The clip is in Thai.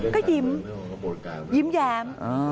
ก็ยิ้มยิ้มแย้ม